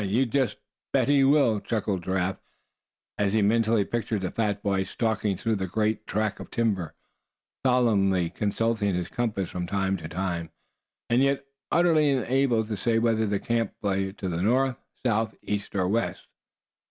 "You just bet he will," chuckled Giraffe, as he mentally pictured the fat boy stalking through that great tract of timber, solemnly consulting his compass from time to time, and yet utterly unable to say whether the camp lay to the north, south, east or west.